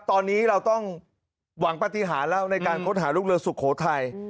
ตอนนี้เราต้องหวังปฏิหารแล้วในการค้นหาลูกเรือสุโขทัย